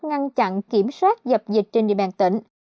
ngăn chặn kiểm soát dập dịch trên địa bàn tỉnh